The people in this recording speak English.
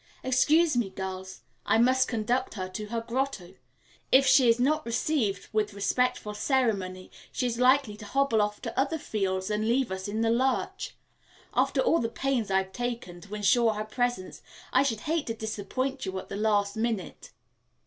"Excuse me, girls. I must conduct her to her grotto. If she is not received with respectful ceremony, she is likely to hobble off to other fields and leave us in the lurch. After all the pains I've taken to insure her presence, I should hate to disappoint you at the last minute."